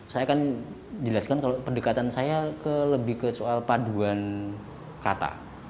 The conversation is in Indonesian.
saya kan jelaskan kalau pendekatan saya lebih ke soal paduan kata